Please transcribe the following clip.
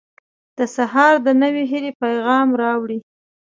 • سهار د نوې هیلې پیغام راوړي.